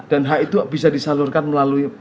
dan hak itu bisa disalurkan melalui